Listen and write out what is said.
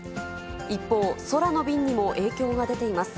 一方、空の便にも影響が出ています。